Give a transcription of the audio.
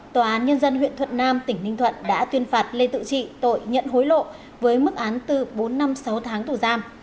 tòa án nhân dân huyện thuận nam tỉnh ninh thuận đã tuyên phạt lê tự trị tội nhận hối lộ với mức án từ bốn năm sáu tháng tù giam